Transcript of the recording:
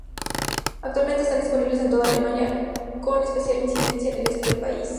Actualmente está disponible en toda Alemania, con especial incidencia en el este del país.